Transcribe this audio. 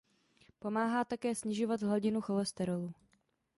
Pomáhá také snižovat hladinu cholesterolu.